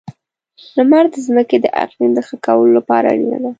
• لمر د ځمکې د اقلیم د ښه کولو لپاره اړینه ده.